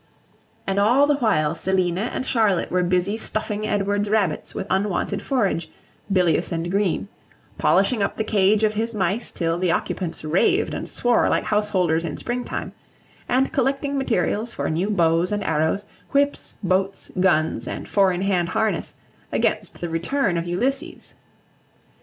And all the while Selina and Charlotte were busy stuffing Edward's rabbits with unwonted forage, bilious and green; polishing up the cage of his mice till the occupants raved and swore like householders in spring time; and collecting materials for new bows and arrows, whips, boats, guns, and four in hand harness, against the return of Ulysses.